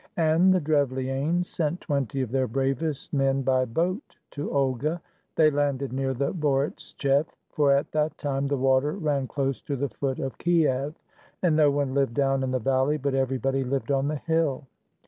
And the Drevlianes sent twenty of their bravest men by boat to Olga. They landed near the Boritchev — for at that time the water ran close to the foot of Kiev, and no one lived down in the valley, but everybody lived on the hill.